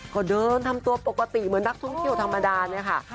ก็เดินทำตัวปกติเหมือนนักท่องเที่ยวธรรมดาเนี่ยค่ะ